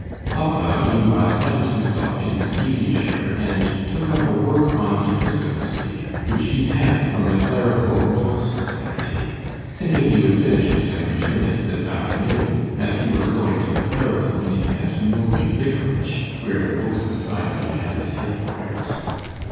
Papa meanwhile settled himself in his easy chair, and took up a work on Episcopacy, which he had from the Clerical Book Society; thinking he would finish it and return it this afternoon, as he was going to the Clerical Meeting at Milby Vicarage, where the Book Society had its headquarters.